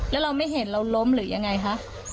แล้วเราไม่เห็นเราล้มหรือยังไงคะ